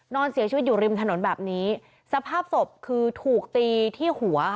นอนเสียชีวิตอยู่ริมถนนแบบนี้สภาพศพคือถูกตีที่หัว